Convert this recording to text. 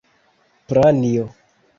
Pranjo!